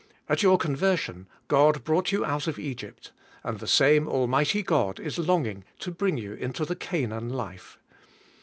At your conversion, God brought you out of Egypt, and the same al mighty God is longing to bring you into the Canaan life.